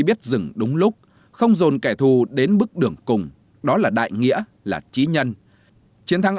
biết dừng đúng lúc không dồn kẻ thù đến bước đường cùng đó là đại nghĩa là trí nhân chiến thắng